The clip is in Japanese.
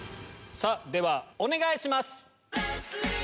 ではお願いします！